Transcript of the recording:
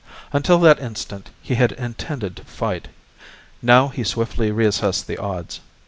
Until that instant he had intended to fight. Now he swiftly reassessed the odds.